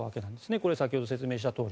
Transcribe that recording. これは先ほど説明したとおり。